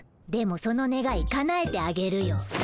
でもそのねがいかなえてあげるよ。